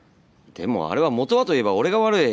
でもあれは元はといえば俺が悪い。